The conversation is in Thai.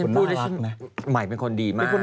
ใหม่เป็นคนดีมากเป็นคนดีมากนะ